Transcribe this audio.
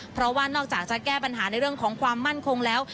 เพราะว่านอกจากจะแก้ปัญหาในเรื่องของความมั่นคงแล้ว